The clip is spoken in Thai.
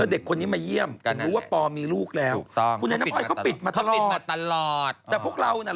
เสียงสุดแล้ว